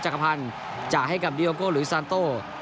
จักรพันธ์จากให้กับดีโอโก้หรือซาโต้